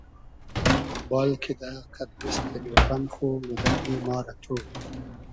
بال کیدۂ قئد دیستی نوربئن خو میدئدی ما رۂ تو